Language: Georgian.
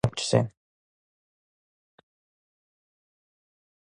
ეპოსის ეროვნული ვარიანტები მდიდრდებოდა ადგილობრივი ფოლკლორის ხარჯზე.